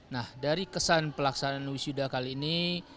nah dari kesan pelaksanaan wisuda kali ini